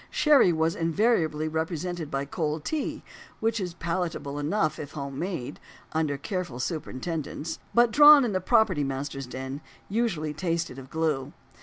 Sherry was invariably represented by cold tea, which is palatable enough if home made, under careful superintendence, but, drawn in the property master's den, usually tasted of glue.